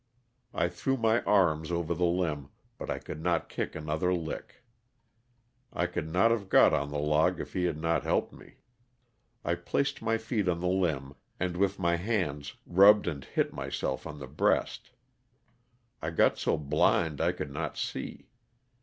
I threw my arms over the limb, but I could not kick another lick. I could not LOSS OF THE SULTANA. 91 have got on tho log if he had not helped me. I placed my feet on the limb and with my hands rubbed and hit myself on tho breast. I got so blind I could not see.